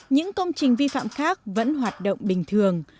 những công trình vi phạm khác vẫn hoạt động bình thường